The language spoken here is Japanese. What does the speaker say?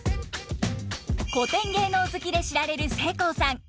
古典芸能好きで知られるせいこうさん。